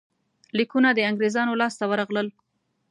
لیکونه د انګرېزانو لاسته ورغلل.